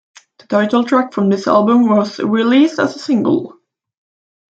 The title track from this album was released as a single.